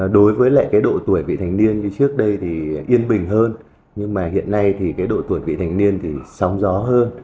đối với lại cái độ tuổi vị thành niên như trước đây thì yên bình hơn nhưng mà hiện nay thì cái độ tuổi vị thành niên thì sóng gió hơn